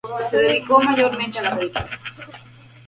Se dedicó mayormente a la política.